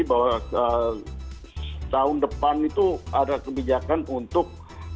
bahwa tahun depan itu ada kebijakan untuk